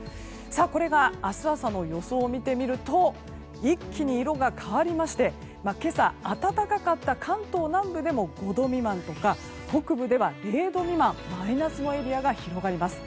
これが明日朝の予想を見てみると一気に色が変わりまして今朝、暖かかった関東南部でも５度未満とか北部では０度未満マイナスのエリアが広がります。